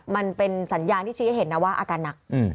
มันเป็นสัญญาณที่ชี้ให้เห็นนะว่าอาการหนัก